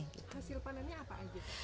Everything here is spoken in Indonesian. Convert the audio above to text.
hasil panennya apa aja